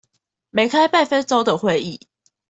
沒開半分鐘會議